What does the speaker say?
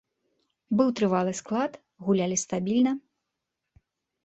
Быў трывалы склад, гулялі стабільна.